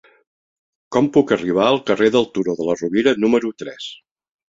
Com puc arribar al carrer del Turó de la Rovira número tres?